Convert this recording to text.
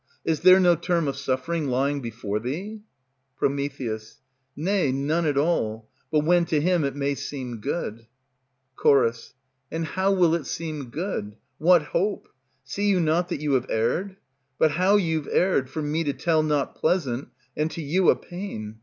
Is there no term of suffering lying before thee? Pr. Nay, none at all, but when to him it may seem good. Ch. And how will it seem good? What hope? See you not that You have erred? But how you've erred, for me to tell Not pleasant, and to you a pain.